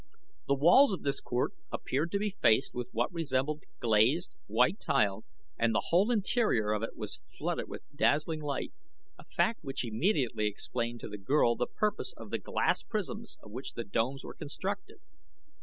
The walls of this court appeared to be faced with what resembled glazed, white tile and the whole interior of it was flooded with dazzling light, a fact which immediately explained to the girl the purpose of the glass prisms of which the domes were constructed.